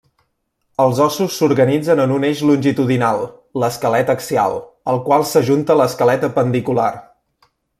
Els ossos s'organitzen en un eix longitudinal, l'esquelet axial, al qual s'ajunta l'esquelet apendicular.